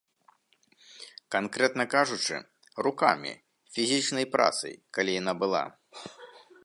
Канкрэтна кажучы, рукамі, фізічнай працай, калі яна была.